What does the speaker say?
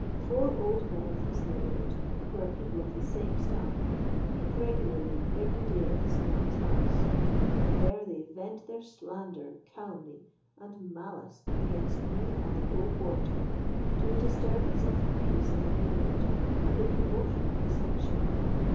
Four old men of this neighbourhood, who are people of the same stamp, meet regularly every day at this imaum's house. There they vent their slander, calumny, and malice against me and the whole quarter, to the disturbance of the peace of the neighbourhood, and the promotion of dissension.